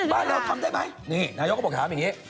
ไปแล้วทำได้ไหมนี่นายกบ่นถามอย่างนี้